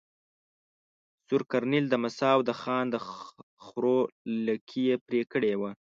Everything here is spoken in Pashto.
سور کرنېل د مساو د خان د خرو لکې ېې پرې کړي وه.